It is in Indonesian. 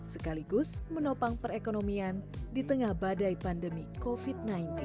sekaligus menopang perekonomian di tengah badai pandemi covid sembilan belas